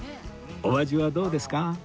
お味はどうですか？